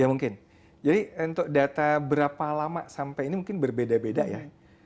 ya mungkin jadi untuk data berapa lama sampai ini mungkin berbeda beda ya